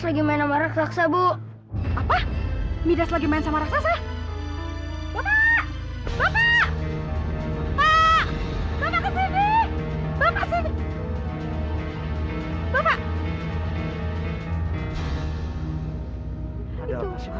lagi main sama raksasa bu apa midas lagi main sama raksasa bapak bapak bapak bapak